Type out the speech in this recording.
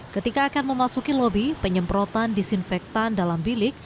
ketika akan memasuki lobi penyemprotan disinfektan dalam bilik